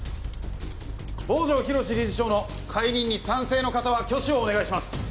坊城寛理事長の解任に賛成の方は挙手をお願いします